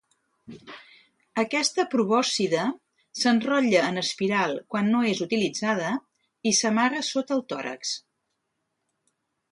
Aquesta probòscide s'enrotlla en espiral quan no és utilitzada i s'amaga sota el tòrax.